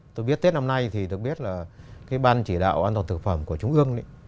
tôi biết tết năm nay thì được biết là cái ban chỉ đạo an toàn thực phẩm của trung ương